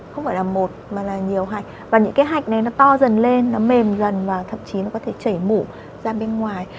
không phải là một mà là nhiều hạch và những cái hạch này nó to dần lên nó mềm dần và thậm chí nó có thể chảy mủ ra bên ngoài